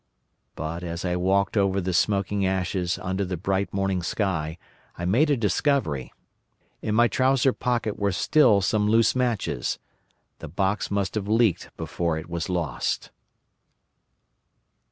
"But, as I walked over the smoking ashes under the bright morning sky, I made a discovery. In my trouser pocket were still some loose matches. The box must have leaked before it was lost.